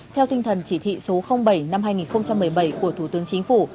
theo tinh thần chỉ thị số bảy năm hai nghìn một mươi bảy của thủ tướng chính phủ